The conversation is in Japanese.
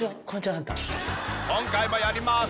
今回もやります